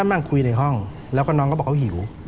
นั่งคุยในห้องแล้วก็น้องก็บอกเขาหิว